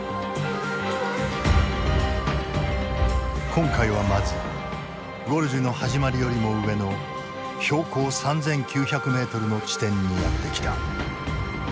今回はまずゴルジュの始まりよりも上の標高３，９００ｍの地点にやって来た。